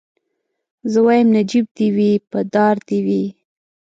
زه وايم نجيب دي وي په دار دي وي